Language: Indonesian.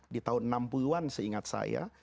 di tahun enam puluh an seingat saya